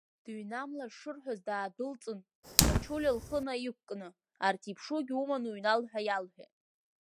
Дыҩнамларц шырҳәоз даадәылҵын, Ԥачулиа лхы наиқәкны, арҭ иԥшугьы уманы уҩнал ҳәа иалҳәеит.